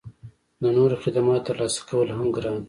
د نورو خدماتو ترلاسه کول هم ګران وي